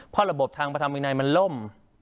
เพราะระบบทางพระธรรมวินัยมันล่ม